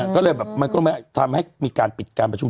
ก็เลยแบบมันก็ทำให้มีการปิดการประชุม